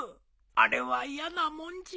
あれは嫌なもんじゃ。